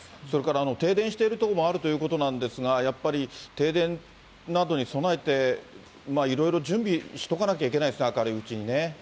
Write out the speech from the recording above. それから、停電している所もあるということなんですが、やっぱり停電などに備えて、いろいろ準備しとかなきゃいけないですね、明るいうちにね。